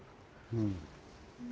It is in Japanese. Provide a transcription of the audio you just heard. うん。